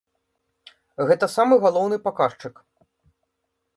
Гэта самы галоўны паказчык.